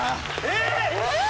えっ！